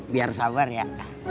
biar sabar ya